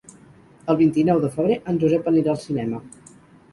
El vint-i-nou de febrer en Josep anirà al cinema.